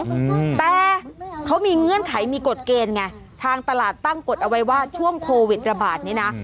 อืมแต่เขามีเงื่อนไขมีกฎเกณฑ์ไงทางตลาดตั้งกฎเอาไว้ว่าช่วงโควิดระบาดนี้นะ